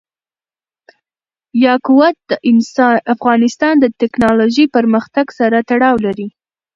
یاقوت د افغانستان د تکنالوژۍ پرمختګ سره تړاو لري.